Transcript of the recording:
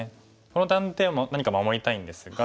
この断点を何か守りたいんですが。